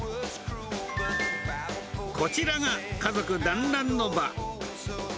こちらが家族団らんの場。